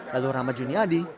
lalu rama juniadi